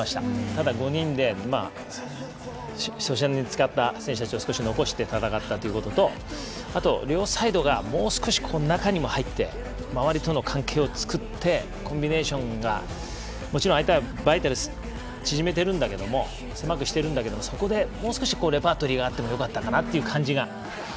ただ、５人で初戦に使った選手たちを少し残して戦ったということと両サイドが、もう少し中にも入って周りとの関係を作ってコンビネーションがもちろん相手はバイタル縮めているんだけども狭くしてるんだけどそこでもう少しレパートリーがあってもよかったかなという感じが。